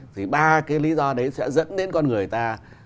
thì ba cái lý do đấy sẽ dẫn đến con người ta